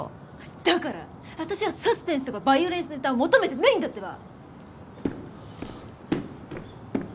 だから私はサスペンスとかバイオレンスネタは求めてないんだってば！